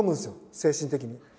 精神的に。